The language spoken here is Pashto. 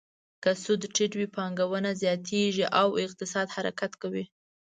که سود ټیټ وي، پانګونه زیاتیږي او اقتصاد حرکت کوي.